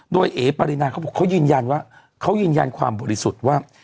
โดยเอ๋ปรินาเขาบอกเขายืนยันว่าเขายืนยันความบริสุทธิ์ว่า